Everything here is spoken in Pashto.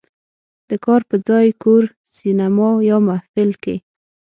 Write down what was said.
"د کار په ځای، کور، سینما یا محفل" کې